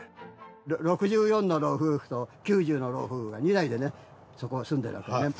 ６４の老夫婦と９０の老夫婦が２代でねそこ住んでるわけね。